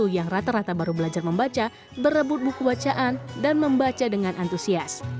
yang rata rata baru belajar membaca berebut buku bacaan dan membaca dengan antusias